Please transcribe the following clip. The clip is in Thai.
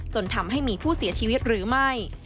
จนทำให้มีผู้เสียชีวิตหรือไม่